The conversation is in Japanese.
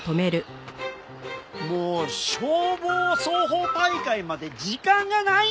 もう消防操法大会まで時間がないんやて。